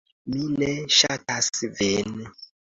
"Mi ne ŝatas vin."